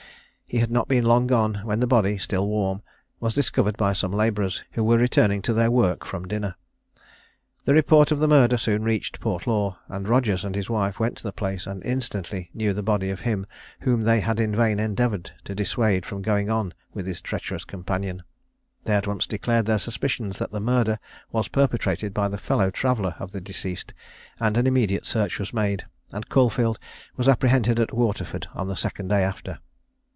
He had not been long gone when the body, still warm, was discovered by some labourers who were returning to their work from dinner. The report of the murder soon reached Portlaw; and Rogers and his wife went to the place, and instantly knew the body of him whom they had in vain endeavoured to dissuade from going on with his treacherous companion. They at once declared their suspicions that the murder was perpetrated by the fellow traveller of the deceased; and an immediate search was made, and Caulfield was apprehended at Waterford on the second day after.